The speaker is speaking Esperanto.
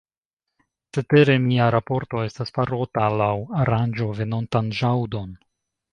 Cetere, mia raporto estas farota laŭ aranĝo venontan ĵaŭdon.